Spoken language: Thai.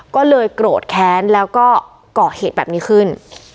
ก็เลยโกรธแค้นแล้วก็เกาะเหตุแบบนี้ขึ้น